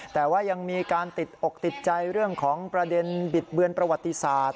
แต่ว่ายังมีการติดอกติดใจเรื่องของประเด็นบิดเบือนประวัติศาสตร์